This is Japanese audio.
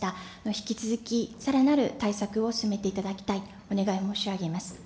引き続きさらなる対策を進めていただきたいとお願いを申し上げます。